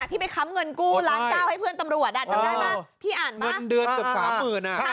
ที่ไหมคับเงินกู